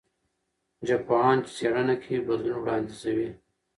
ژبپوهان چې څېړنه کوي، بدلون وړاندیزوي.